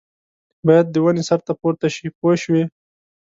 باید د ونې سر ته پورته شي پوه شوې!.